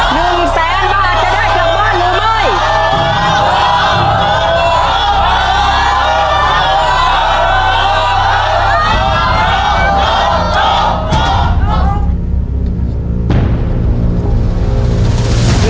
หนึ่งแสนบาทจะได้กลับบ้านหรือไม่